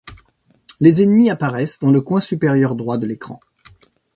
Les ennemis apparaissent dans le coin supérieur droit de l'écran.